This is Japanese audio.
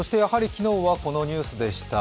昨日は、このニュースでした。